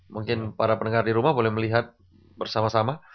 mungkin para pendengar di rumah boleh melihat bersama sama